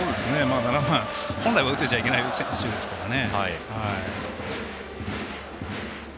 ７番、本来は打っていちゃいけない選手ですからね。